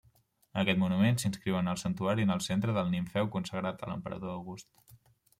Aquest monument s'inscriu en el santuari en el centre del Nimfeu consagrat a l'emperador August.